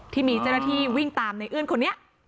ที่มีเจ้าหน้าที่วิ่งตามในเอื้อนคนนี้